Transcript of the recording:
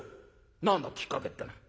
「何だ？きっかけってのは」。